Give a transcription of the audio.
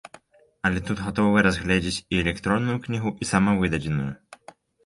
Але тут гатовыя разгледзіць і электронную кнігу, і самавыдадзеную.